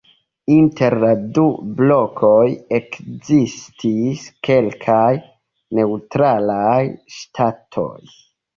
Inter la du blokoj ekzistis kelkaj neŭtralaj ŝtatoj.